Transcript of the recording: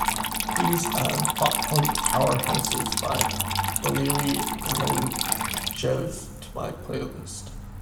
Please add Pop Punk Powerhouses by Valeri Leontjev to my play list